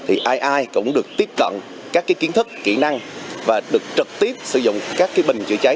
thì ai ai cũng được tiếp cận các kiến thức kỹ năng và được trực tiếp sử dụng các bình chữa cháy